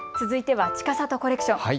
続いては、ちかさとコレクション。